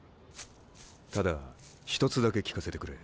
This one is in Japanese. ただ一つだけ聞かせてくれ。